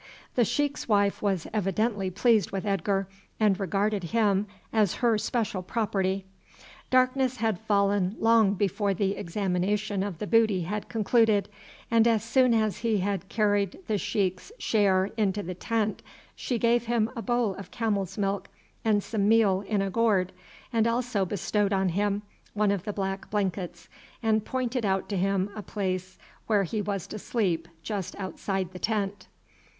The sheik's wife was evidently pleased with Edgar, and regarded him as her special property. Darkness had fallen long before the examination of the booty had concluded, and as soon as he had carried the sheik's share into the tent, she gave him a bowl of camel's milk and some meal in a gourd, and also bestowed on him one of the black blankets, and pointed out to him a place where he was to sleep just outside the tent.